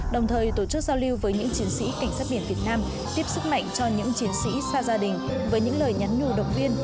đồng thời tổ chức giao lưu với những chiến sĩ cảnh sát biển việt nam tiếp sức mạnh cho những chiến sĩ xa gia đình với những lời nhắn nhủ động viên